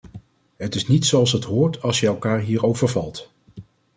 Het is niet zoals het hoort als je elkaar hier overvalt.